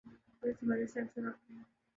اور اس حوالے سے اکثر آپ نے